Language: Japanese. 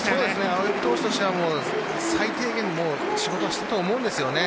青柳投手としては最低限の仕事をしたと思うんですよね。